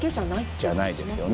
じゃないですよね。